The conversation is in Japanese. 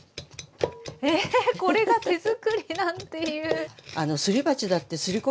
えこれが手作りだっていう。